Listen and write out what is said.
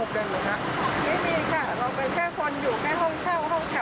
ขอเป็นเด็กแล้วแบบพอไม่มีเพื่อนไม่มีใครค่ะ